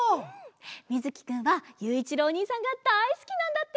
みずきくんはゆういちろうおにいさんがだいすきなんだって！